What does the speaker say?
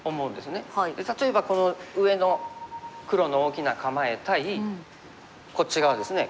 例えばこの上の黒の大きな構え対こっち側ですね。